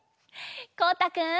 こうたくん。